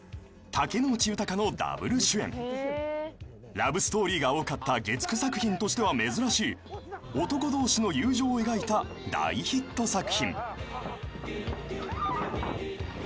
［ラブストーリーが多かった月９作品としては珍しい男同士の友情を描いた大ヒット作品］